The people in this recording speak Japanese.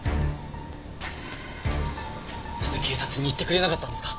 なぜ警察に言ってくれなかったんですか？